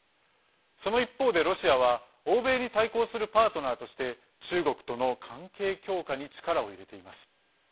その一方で、ロシアは欧米に対抗するパートナーとして中国との関係強化に力を入れています。